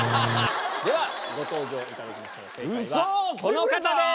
ではご登場いただきましょう正解はこの方です！